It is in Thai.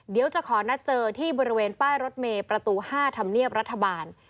เดี๋ยวจะขอนัดเจอที่บริเวณป้ายรถเมย์ประตู๕ธรรมเนียบรัฐบาล